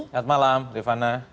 selamat malam rivana